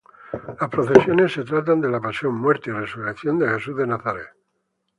Las procesiones se tratan de la Pasión, muerte y resurrección de Jesús de Nazaret.